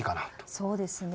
そうですね。